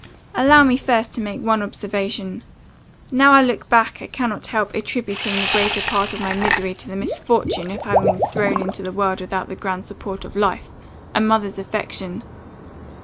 Allow me first to make one observation. Now I look back, I cannot help attributing the greater part of my misery, to the misfortune of having been thrown into the world without the grand support of life a mother's affection.